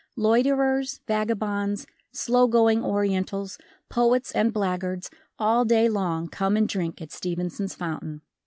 Loiterers, vagabonds, slow going Orientals, poets and blackguards, all day long come and drink at Stevenson's fountain.